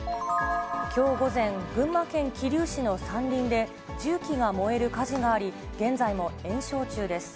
きょう午前、群馬県桐生市の山林で、重機が燃える火事があり、現在も延焼中です。